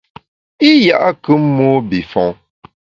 I ya’kù mobifon.